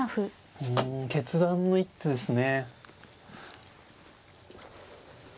うん決断の一手ですね。